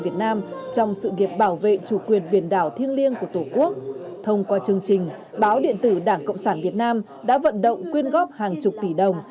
thông qua sự nghiệp bảo vệ chủ quyền biển đảo thiêng liêng của tổ quốc thông qua chương trình báo điện tử đảng cộng sản việt nam đã vận động quyên góp hàng chục tỷ đồng